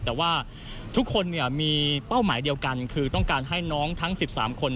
แต่ว่าทุกคนมีเป้าหมายเดียวกันคือต้องการให้น้องทั้ง๑๓คน